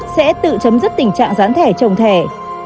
sẽ tự chấm dứt tình trạng gián thẻ trồng thẻ